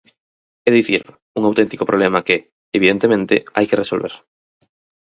É dicir, un auténtico problema, que, evidentemente, hai que resolver.